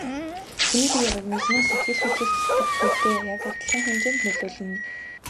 Хүний бие организм нь сэтгэл хөдлөлд сэтгэхүйтэй яг адилхан хэмжээнд нөлөөлнө.